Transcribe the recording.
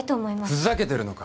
ふざけてるのか。